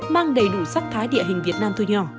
mang đầy đủ sắc thái địa hình việt nam thu nhỏ